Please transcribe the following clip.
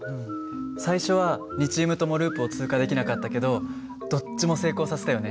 最初は２チームともループを通過できなかったけどどっちも成功させたよね。